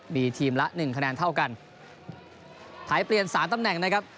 มีทีมละหนึ่งคะแนนเท่ากันไทยเปลี่ยนสามตำแหน่งนะครับ